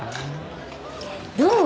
どう？